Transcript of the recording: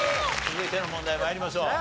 続いての問題参りましょう。